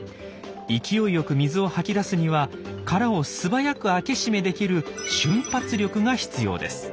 勢いよく水を吐き出すには殻を素早く開け閉めできる瞬発力が必要です。